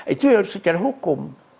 itu harus secara hukum